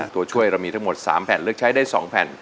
ตัวช่วยเรามีทั้งหมด๓แผ่นเลือกใช้ได้๒แผ่น